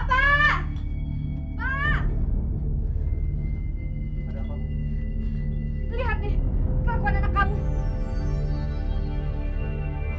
kelabuan anak kamu